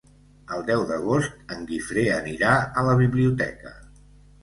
El deu d'agost en Guifré anirà a la biblioteca.